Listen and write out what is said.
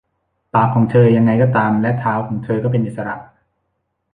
ปากของเธอ ยังไงก็ตาม และเท้าของเธอก็เป็นอิสระ